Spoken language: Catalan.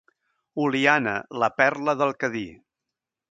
Oliana, la perla del Cadí.